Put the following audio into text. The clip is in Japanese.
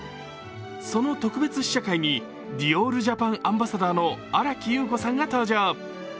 その特別試写会にディオールジャパンアンバサダーの新木優子さんが登場。